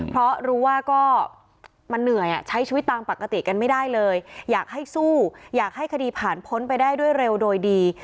เพราะรู้ว่าก็มันเหนื่อยใช้ชีวิตตามปกติกันไม่ได้เลยอยากให้สู้อยากให้คดีผ่านพ้นไปได้ด้วยเร็วโดยดี